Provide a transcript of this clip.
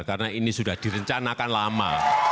karena ini sudah direncanakan lama